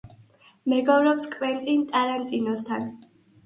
მეგობრობს კვენტინ ტარანტინოსთან.